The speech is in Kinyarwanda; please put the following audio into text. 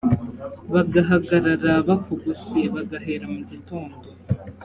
bagahagarara bakugose bagahera mu gitondo